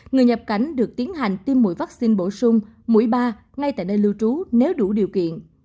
người nhập cảnh được tiến hành tiêm mũi vaccine bổ sung mũi ba ngay tại nơi lưu trú nếu đủ điều kiện